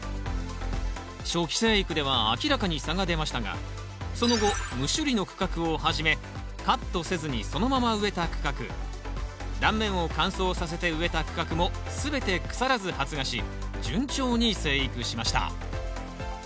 初期生育では明らかに差が出ましたがその後無処理の区画をはじめカットせずにそのまま植えた区画断面を乾燥させて植えた区画も全て腐らず発芽し順調に生育しました。